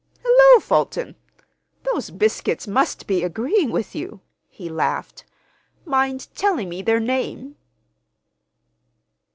"Hullo, Fulton! Those biscuits must be agreeing with you," he laughed. "Mind telling me their name?"